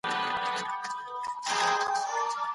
ايا ته زده کړه کوې؟